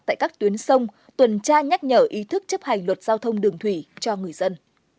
tại các tuyến sông tuần tra nhắc nhở ý thức chấp hành luật giao thông đường thủy cho người dân